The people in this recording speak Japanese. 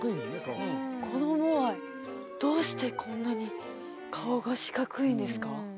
このモアイどうしてこんなに顔が四角いんですか？